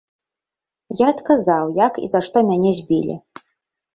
Я адказаў, як і за што мяне збілі.